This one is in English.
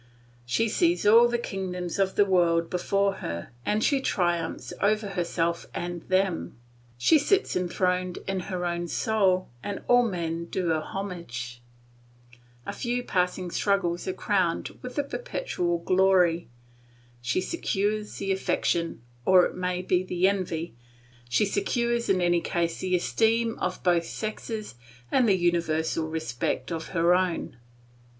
She sees all the kingdoms of the world before her and she triumphs over herself and them; she sits enthroned in her own soul and all men do her homage; a few passing struggles are crowned with perpetual glory; she secures the affection, or it may be the envy, she secures in any case the esteem of both sexes and the universal respect of her own.